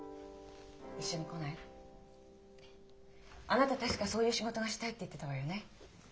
あなた確かそういう仕事がしたいって言ってたわよね。